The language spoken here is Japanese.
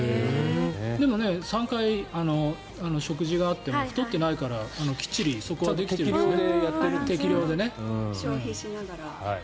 でも３回食事があっても太ってないからきっちりそこは消費しながら。